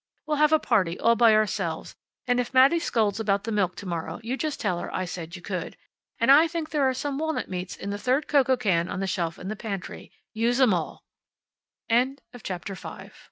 We'll have a party, all by ourselves, and if Mattie scolds about the milk to morrow you just tell her I said you could. And I think there are some walnut meats in the third cocoa can on the shelf in the pantry. Use 'em all." CHAPTER SIX Theodore came home at twelve o'c